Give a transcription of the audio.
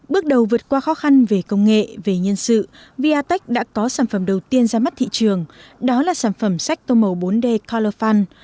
bước đầu vượt qua khó khăn về công nghệ về nhân sự vatex đã có sản phẩm đầu tiên ra mắt thị trường đó là sản phẩm sách tô màu bốn d colofan